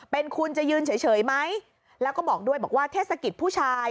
เป็นคุณจะยืนเฉยไหมแล้วก็บอกด้วยบอกว่าเทศกิจผู้ชาย